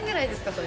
それ。